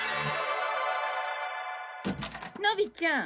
のびちゃん。